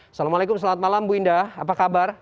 assalamualaikum selamat malam bu indah apa kabar